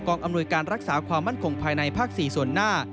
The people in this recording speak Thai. อำนวยการรักษาความมั่นคงภายในภาค๔ส่วนหน้า